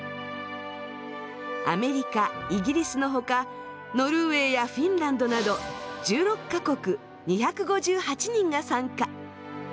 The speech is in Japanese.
アメリカイギリスのほかノルウェーやフィンランドなど１６か国２５８人が参加。